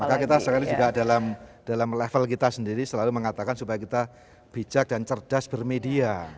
maka kita sekali juga dalam level kita sendiri selalu mengatakan supaya kita bijak dan cerdas bermedia